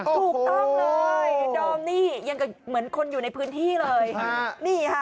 ถูกต้องเลยดอมนี่ยังเหมือนคนอยู่ในพื้นที่เลยนี่ค่ะ